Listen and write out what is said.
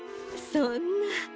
そんな。